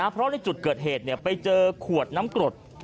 เพราะในจุดเกิดเหตุไปเจอขวดน้ำกรด